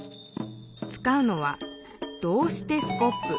つかうのは「どうしてスコップ」。